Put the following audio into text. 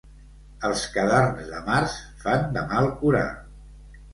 Els cadarns de març fan de mal curar.